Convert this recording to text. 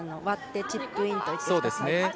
割ってチップインとかですね。